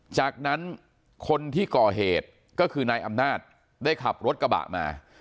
จากนั้นคนที่ก่อเหตุก็คือนายอำนาจได้ขับรถกระบะมา